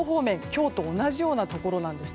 今日と同じようなところなんです。